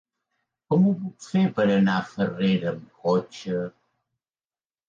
Com ho puc fer per anar a Farrera amb cotxe?